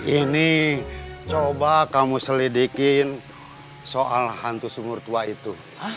ini coba kamu selidikin soal hantu sumur tua itu